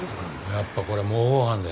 やっぱこれ模倣犯だ。